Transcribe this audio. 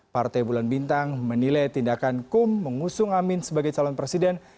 partai bulan bintang menilai tindakan kum mengusung amin sebagai calon presiden